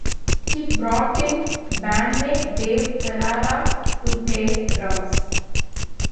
He brought in bandmate Dave Ferrara to play drums.